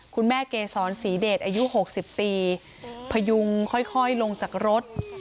เกษรศรีเดชอายุ๖๐ปีพยุงค่อยลงจากรถ